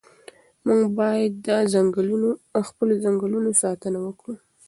موږ باید د خپلو ځنګلونو ساتنه وکړو.